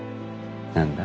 何だ